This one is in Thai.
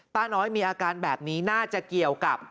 ป้าน้อยมีอาการแบบนี้น่าจะเกี่ยวกับ